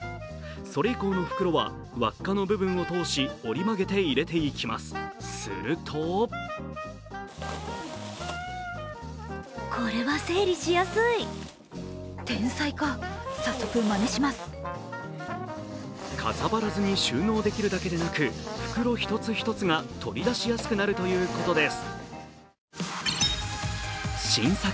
それ以降の袋はわっかの部分を通し折り曲げて入れていきますするとかさばらずに収納できるだけでなく、袋１つ１つが取り出しやすくなるということです。